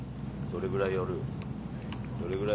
どれぐらい寄る？